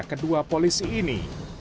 kedua polisi ini